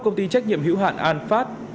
công ty trách nhiệm hữu hạn an phát